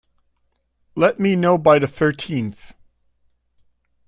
Let me know by the thirteenth.